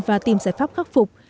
và tìm giải pháp khắc phục